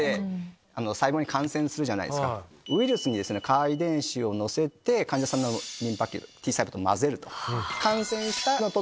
ウイルスにＣＡＲ遺伝子をのせて患者さんのリンパ球Ｔ細胞と混ぜると。